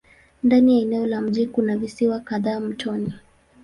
Ndani ya eneo la mji kuna visiwa kadhaa mtoni.